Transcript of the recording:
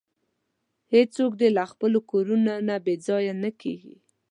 هیڅوک دې له خپلو کورونو نه بې ځایه کیږي.